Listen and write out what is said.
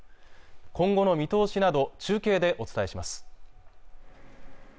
今後の見通しなど中継でお伝えします